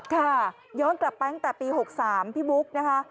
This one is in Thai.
ย้อนกลับไปตั้งแต่ปี๖๓พี่บุ๊คนะคะ